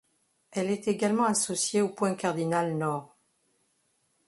Elle est également associée au point cardinal nord.